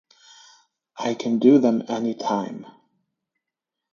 I can do them any time.